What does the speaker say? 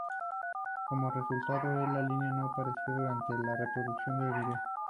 Como resultado esa línea no aparecerá durante la reproducción de vídeo.